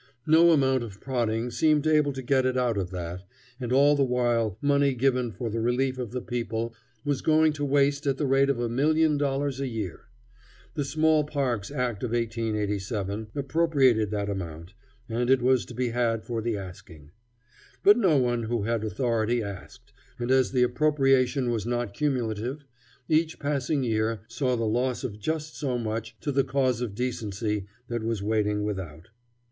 No amount of prodding seemed able to get it out of that, and all the while money given for the relief of the people was going to waste at the rate of a million dollars a year. The Small Parks Act of 1887 appropriated that amount, and it was to be had for the asking. But no one who had the authority asked, and as the appropriation was not cumulative, each passing year saw the loss of just so much to the cause of decency that was waiting without.